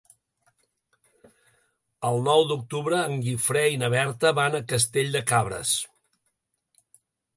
El nou d'octubre en Guifré i na Berta van a Castell de Cabres.